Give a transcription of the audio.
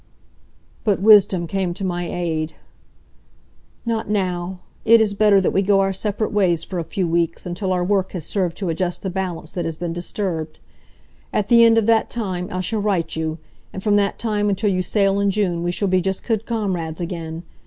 But wisdom came to my aid. "Not now. It is better that we go our separate ways for a few weeks, until our work has served to adjust the balance that has been disturbed. At the end of that time I shall write you, and from that time until you sail in June we shall be just good comrades again.